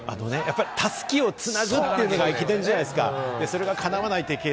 襷をつなぐというのが駅伝じゃないですか？